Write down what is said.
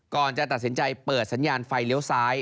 ก่อนจะตัดสินใจเปิดสัญญาณไฟเลี้ยวซ้าย